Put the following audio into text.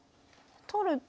取ると。